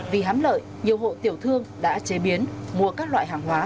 vì hám lợi nhiều hộ tiểu thương đã chế biến mua các loại hàng hóa